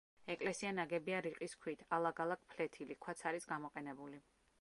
ეკლესია ნაგებია რიყის ქვით; ალაგ-ალაგ ფლეთილი ქვაც არის გამოყენებული.